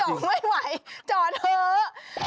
ไม่ไหวจอดเถอะ